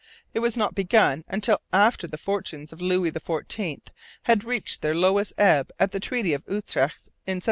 It was not begun till after the fortunes of Louis XIV had reached their lowest ebb at the Treaty of Utrecht in 1713.